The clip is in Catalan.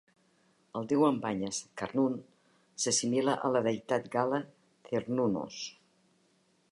El Déu amb banyes, Carnun, s'assimila a la deïtat gala Cernunnos.